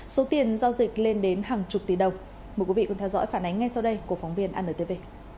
số tiền giao dịch lên đến hàng chục tỷ đồng mời quý vị cùng theo dõi phản ánh ngay sau đây của phóng viên antv